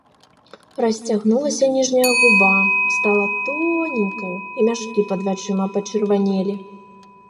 Расцягнулася ніжняя губа, стала тоненькаю, і мяшкі пад вачыма пачырванелі.